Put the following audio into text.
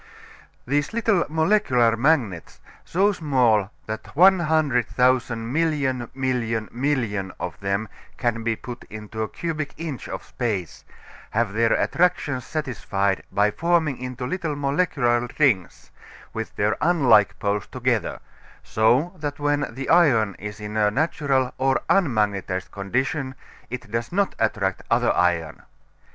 These little molecular magnets, so small that 100,000 million million million of them can be put into a cubic inch of space, have their attractions satisfied by forming into little molecular rings, with their unlike poles together, so that when the iron is in a natural or unmagnetized condition it does not attract other iron.